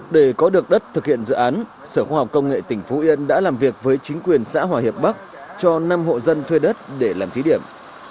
để có được đất thực hiện dự án sở khoa học công nghệ tỉnh phú yên đã làm việc với chính quyền xã hòa hiệp bắc cho năm hộ dân thuê đất để làm thí điểm